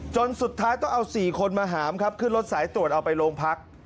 จนสุดท้ายต้องเอา๔คนมาหามครับขึ้นรถสายตรวจเอาไปโรงพัก